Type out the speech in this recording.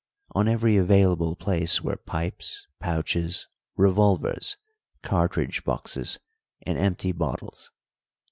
On every available place were pipes, pouches, revolvers, cartridge boxes, and empty bottles.